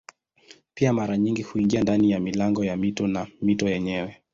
Pia mara nyingi huingia ndani ya milango ya mito na mito yenyewe.